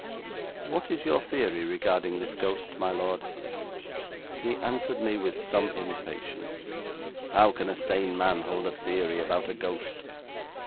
'What is your theory regarding this ghost, my lord?' He answered me with some impatience. 'How can a sane man hold a theory about a ghost?